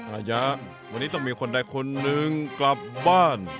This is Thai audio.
ระยะวันนี้ต้องมีคนใดคนหนึ่งกลับบ้าน